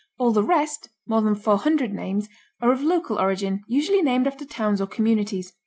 All the rest (more than 400 names) are of local origin, usually named after towns or communities.